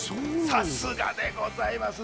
さすがでございます。